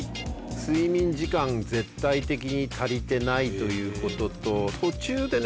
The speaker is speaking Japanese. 睡眠時間絶対的に足りてないということと途中でね